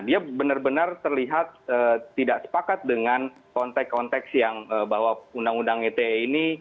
dia benar benar terlihat tidak sepakat dengan konteks konteks yang bahwa undang undang ite ini